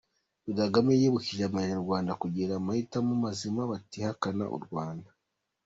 Perezida Kagame yibukije Abanyarwanda kugira amahitamo mazima batihakana u Rwanda.